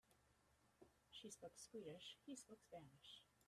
She spoke Swedish, he spoke Spanish.